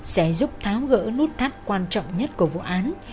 sẽ giúp tháo gỡ nút thắt quan trọng nhất của vụ án